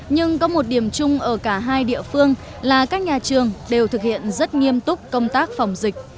nhưng có một điểm chung ở cả hai địa phương là các nhà trường đều thực hiện rất nghiêm túc công tác phòng dịch